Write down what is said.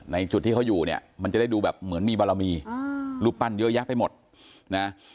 จุดที่เขาอยู่เนี่ยมันจะได้ดูแบบเหมือนมีบารมีรูปปั้นเยอะแยะไปหมดนะ